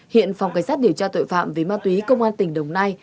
hiện phòng cảnh sát điều tra tội phạm về ma túy công an tỉnh đồng nai